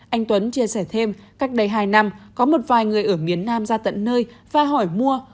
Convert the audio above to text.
anh tuấn chia sẻ thêm cách đây hai năm có một vài người ở miền nam ra tận nơi và hỏi mua